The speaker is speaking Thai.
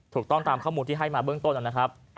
ถูกต้องตามข้อมูลที่ให้มาเบื้องต้นนะครับ